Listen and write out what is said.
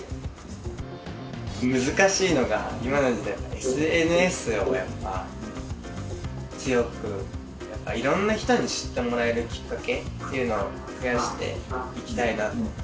難しいのが今の時代ＳＮＳをやっぱ強くやっぱいろんな人に知ってもらえるきっかけっていうのを増やしていきたいなと。